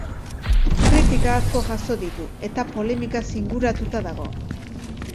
Kritika asko jaso ditu eta polemikaz inguratuta dago.